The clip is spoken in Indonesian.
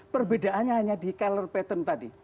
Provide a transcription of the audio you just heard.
perbedaannya hanya di color pattern tadi